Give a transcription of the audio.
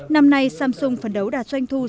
năm nay samsung phấn đấu đạt doanh thuật